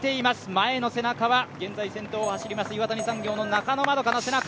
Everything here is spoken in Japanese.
前の背中は現在先頭を走ります、岩谷産業の中野円花の背中。